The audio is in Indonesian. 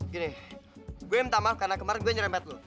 gini gue minta maaf karena kemarin gue nyerempet lo